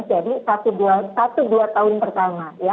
jadi satu dua tahun pertama